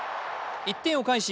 １点を返し